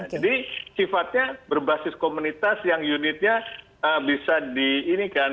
jadi sifatnya berbasis komunitas yang unitnya bisa di ini kan